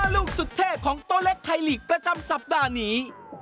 ลูกสุดเทพของโต๊เล็กไทยลีกประจำสัปดาห์นี้